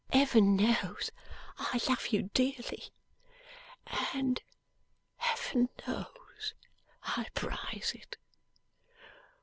'Heaven knows I love you dearly!' 'And Heaven knows I prize it!